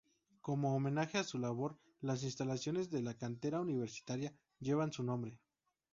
Como homenaje a su labor, las instalaciones de la "Cantera Universitaria" llevan su nombre.